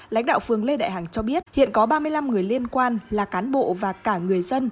lãnh đạo phường lê đại hàng cho biết hiện có ba mươi năm người liên quan là cán bộ và cả người dân